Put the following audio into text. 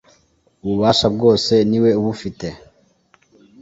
ububasha bwose niwe ubufite.